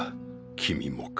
君もか。